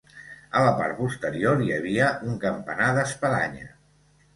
A la part posterior hi havia un campanar d'espadanya.